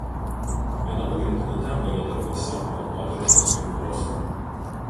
Viena pagrindinių temų jo darbuose buvo moteriškos figūros.